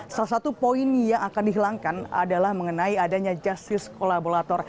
salah satu poin yang akan dihilangkan adalah mengenai adanya justice kolaborator